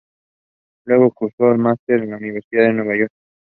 Only one tower remains.